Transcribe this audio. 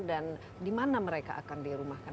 dan di mana mereka akan dirumahkan